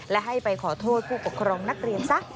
และให้ไปขอโทษผู้ปกครองนักเรียนซะ